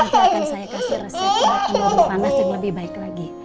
maka akan saya kasih resep obat penurun panas yang lebih baik lagi